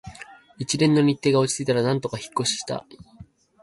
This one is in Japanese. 一連の日程が落ち着いたら、なんとか引っ越ししたい